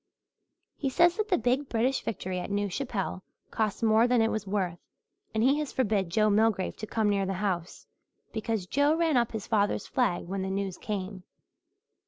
He says that the big British victory at New Chapelle cost more than it was worth and he has forbid Joe Milgrave to come near the house because Joe ran up his father's flag when the news came.